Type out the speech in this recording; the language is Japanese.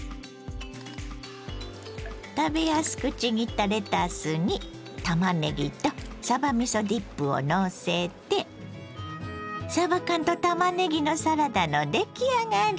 食べやすくちぎったレタスにたまねぎとさばみそディップをのせてさば缶とたまねぎのサラダの出来上がり。